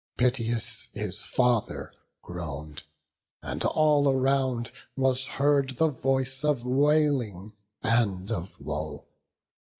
Piteous, his father groan'd; and all around Was heard the voice of wailing and of woe.